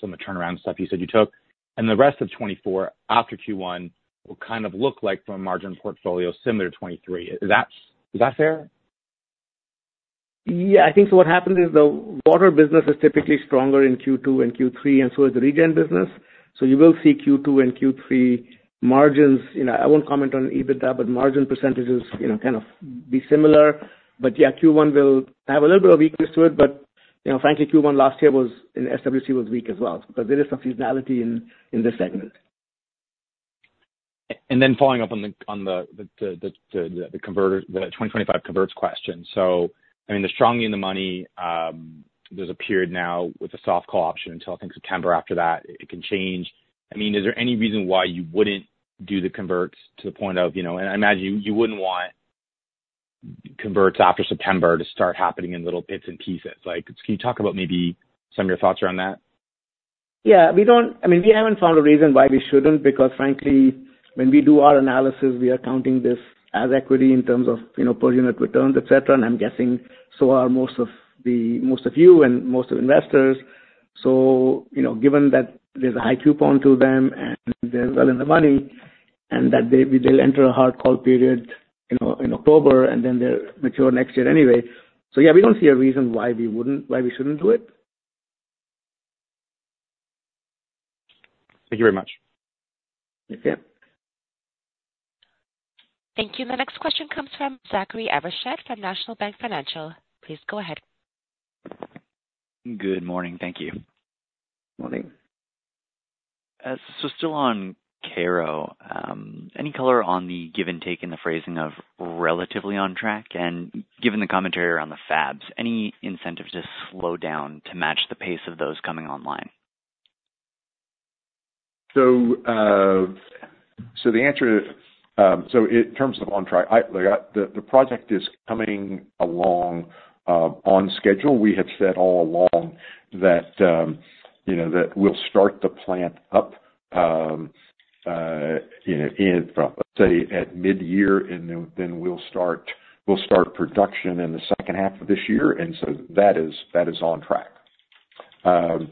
some of the turnaround stuff you said you took, and the rest of 2024 after Q1 will kind of look like from a margin portfolio similar to 2023? Is that fair? Yeah. I think so what happens is the water business is typically stronger in Q2 and Q3, and so is the regen business. So you will see Q2 and Q3 margins I won't comment on EBITDA, but margin percentages kind of be similar. But yeah, Q1 will have a little bit of weakness to it. But frankly, Q1 last year in SWC was weak as well because there is some seasonality in this segment. Then following up on the 2025 converts question. So I mean, the strongly in the money, there's a period now with a soft call option until, I think, September after that. It can change. I mean, is there any reason why you wouldn't do the converts to the point of, and I imagine you wouldn't want converts after September to start happening in little bits and pieces. Can you talk about maybe some of your thoughts around that? Yeah. I mean, we haven't found a reason why we shouldn't because, frankly, when we do our analysis, we are counting this as equity in terms of per unit returns, etc. And I'm guessing so are most of you and most of investors. So given that there's a high coupon to them and they're well in the money and that they'll enter a hard call period in October and then they're mature next year anyway. So yeah, we don't see a reason why we shouldn't do it. Thank you very much. Okay. Thank you. The next question comes from Zachary Evershed from National Bank Financial. Please go ahead. Good morning. Thank you. Morning. Still on Cairo, any color on the give and take in the phrasing of relatively on track? And given the commentary around the fabs, any incentive to slow down to match the pace of those coming online? So the answer so in terms of on track, the project is coming along on schedule. We have said all along that we'll start the plant up, let's say, at midyear, and then we'll start production in the second half of this year. So that is on track.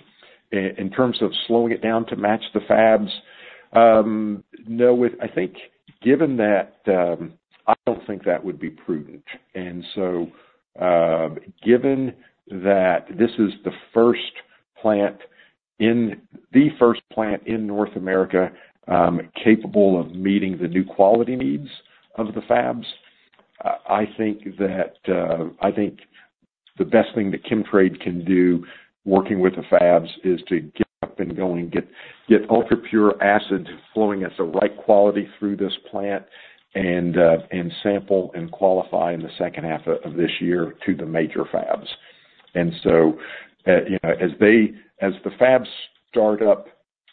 In terms of slowing it down to match the fabs, no, I think given that I don't think that would be prudent. So given that this is the first plant in the first plant in North America capable of meeting the new quality needs of the fabs, I think that the best thing that Chemtrade can do working with the fabs is to get up and go and get ultrapure acid flowing at the right quality through this plant and sample and qualify in the second half of this year to the major fabs. And so as the fabs start up,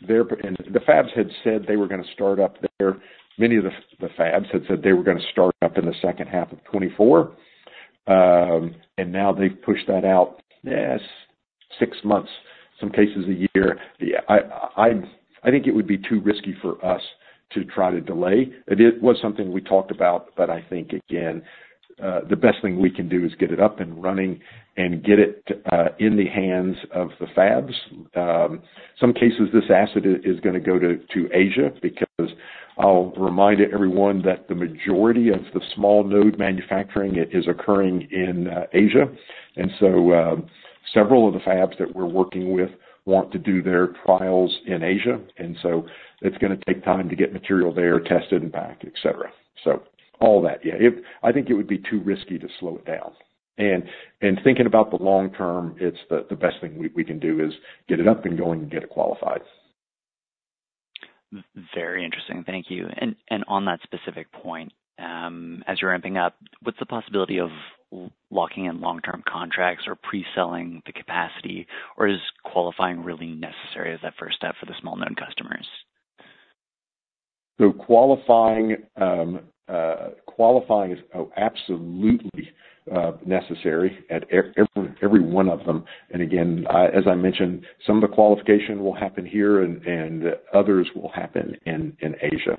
there the fabs had said they were going to start up there. Many of the fabs had said they were going to start up in the second half of 2024. And now they've pushed that out, yes, six months, in some cases a year. I think it would be too risky for us to try to delay. It was something we talked about, but I think, again, the best thing we can do is get it up and running and get it in the hands of the fabs. In some cases, this acid is going to go to Asia because I'll remind everyone that the majority of the small-node manufacturing is occurring in Asia. And so several of the fabs that we're working with want to do their trials in Asia. So it's going to take time to get material there, test it, and back, etc. So all that. Yeah. I think it would be too risky to slow it down. Thinking about the long term, the best thing we can do is get it up and going and get it qualified. Very interesting. Thank you. On that specific point, as you're ramping up, what's the possibility of locking in long-term contracts or preselling the capacity? Or is qualifying really necessary as that first step for the well-known customers? Qualifying is absolutely necessary at every one of them. Again, as I mentioned, some of the qualification will happen here, and others will happen in Asia.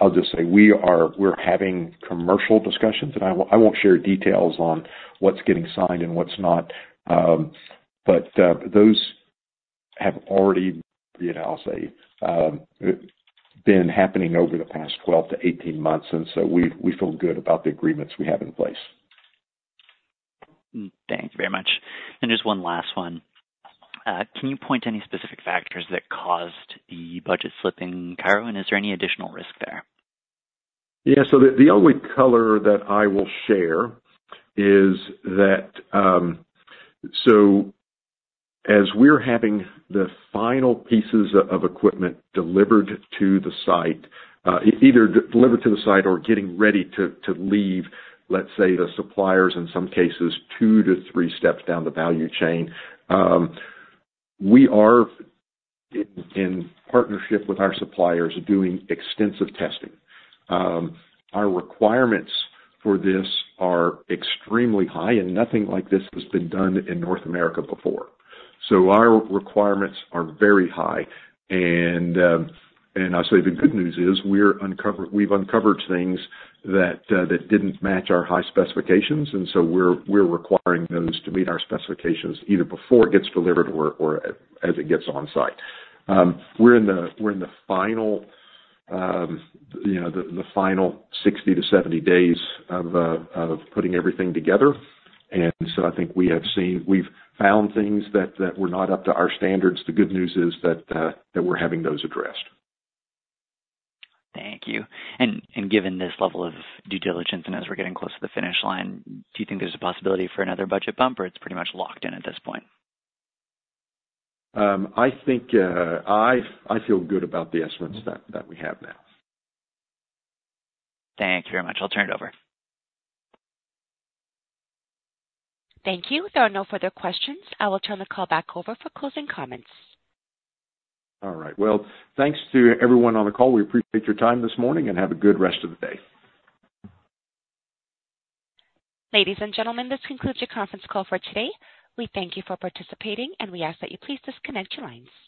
I'll just say we're having commercial discussions, and I won't share details on what's getting signed and what's not. Those have already, I'll say, been happening over the past 12-18 months, and so we feel good about the agreements we have in place. Thank you very much. Just one last one. Can you point to any specific factors that caused the budget slip in Cairo, and is there any additional risk there? Yeah. So the only color that I will share is that so as we're having the final pieces of equipment delivered to the site either delivered to the site or getting ready to leave, let's say, the suppliers, in some cases, 2-3 steps down the value chain, we are, in partnership with our suppliers, doing extensive testing. Our requirements for this are extremely high, and nothing like this has been done in North America before. So our requirements are very high. And I'll say the good news is we've uncovered things that didn't match our high specifications, and so we're requiring those to meet our specifications either before it gets delivered or as it gets on site. We're in the final 60-70 days of putting everything together. And so I think we have found things that were not up to our standards. The good news is that we're having those addressed. Thank you. Given this level of due diligence and as we're getting close to the finish line, do you think there's a possibility for another budget bump, or it's pretty much locked in at this point? I feel good about the estimates that we have now. Thank you very much. I'll turn it over. Thank you. There are no further questions. I will turn the call back over for closing comments. All right. Well, thanks to everyone on the call. We appreciate your time this morning, and have a good rest of the day. Ladies and gentlemen, this concludes your conference call for today. We thank you for participating, and we ask that you please disconnect your lines.